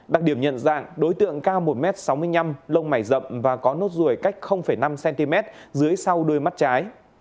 đặc điểm nhận dạng đối tượng cao một m sáu mươi năm lông mảy rậm và có nốt ruồi cách năm cm dưới sau đuôi mắt trái